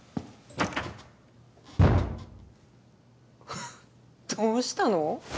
ふっどうしたの？